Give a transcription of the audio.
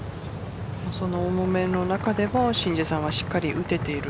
重めの中でも申ジエさんをしっかりと打てている。